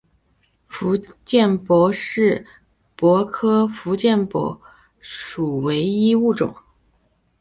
福建柏是柏科福建柏属唯一物种。